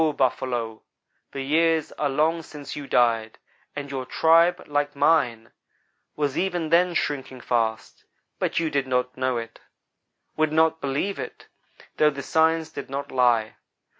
Buffalo, the years are long since you died, and your tribe, like mine, was even then shrinking fast, but you did not know it; would not believe it; though the signs did not lie.